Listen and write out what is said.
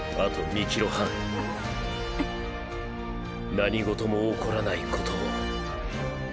何事も起こらないことをーー